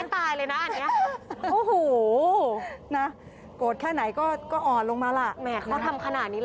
ตาไม้ตายเลยนะอันนี้